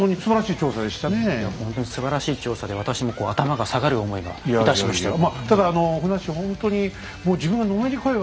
いやほんとにすばらしい調査で私もこう頭が下がる思いがいたしましたよ。